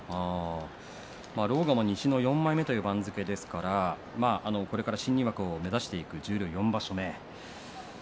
狼雅も西の４枚目これから新入幕を目指していく十両、４場所目。